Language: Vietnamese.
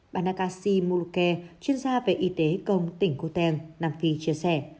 banakasi muluke chuyên gia về y tế công tỉnh khu teng nam phi chia sẻ